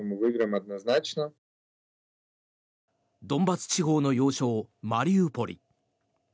ドンバス地方の要衝マリウポリ。